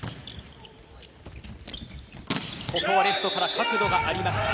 ここはレフトから角度がありました。